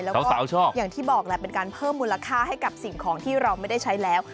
แล้วก็อย่างที่บอกแหละเป็นการเพิ่มมูลค่าให้กับสิ่งของที่เราไม่ได้ใช้แล้ว